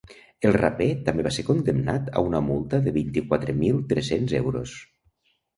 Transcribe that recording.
El raper també va ser condemnat a una multa de vint-i-quatre mil tres-cents euros.